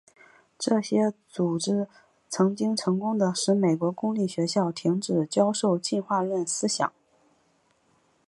这些组织曾经成功地使美国公立学校停止教授进化论思想。